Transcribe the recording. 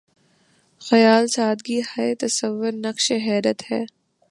خیال سادگی ہائے تصور‘ نقشِ حیرت ہے